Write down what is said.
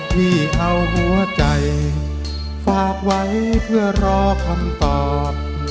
พี่เอาหัวใจฝากไว้เพื่อรอคำตอบ